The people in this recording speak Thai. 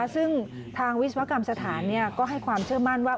ซึ่งทางวิศวกรรมสถานก็ให้ความเชื่อมั่นว่า